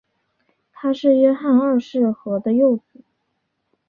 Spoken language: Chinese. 他是约翰二世和的幼子。